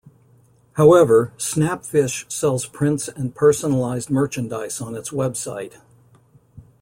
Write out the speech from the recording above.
However, Snapfish sells prints and personalized merchandise on its website.